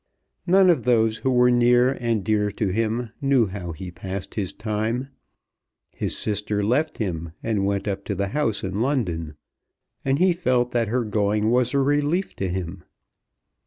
None of those who were near and dear to him knew how he passed his time. His sister left him and went up to the house in London, and he felt that her going was a relief to him.